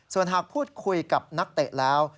ส่วนหากพูดคุยกับนักเตะแล้ว